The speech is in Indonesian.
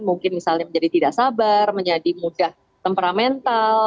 mungkin misalnya menjadi tidak sabar menjadi mudah temperamental